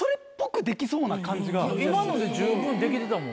今ので十分できてたもんね。